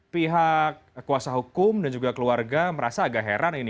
pihak kuasa hukum dan juga keluarga merasa agak heran ini